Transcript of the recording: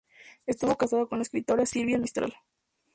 Estuvo casado con la escritora Silvia Mistral.